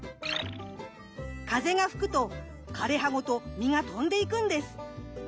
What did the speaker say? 風が吹くと枯れ葉ごと実が飛んでいくんです。